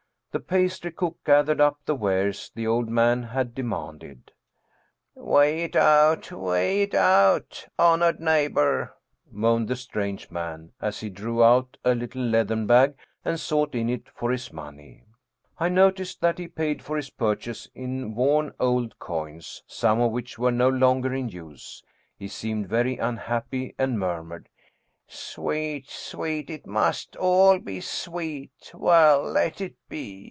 The pastry cook gathered up the wares the old man had demanded. " Weigh it out, weigh it out, honored neigh bor," moaned the strange man, as he drew out a little leath ern bag and sought in it for his money. I noticed that he paid for his purchase in worn old coins, some of which were no longer in use. He seemed very unhappy and mur mured :" Sweet sweet it must all be sweet ! Well, let it be